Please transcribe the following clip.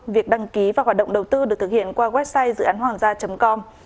việc đăng ký và hoạt động đầu tư được thực hiện qua website dựanhoanggia com